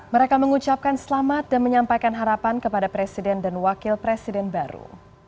mereka mengucapkan selamat dan menyampaikan harapan kepada presiden dan wakil presiden baru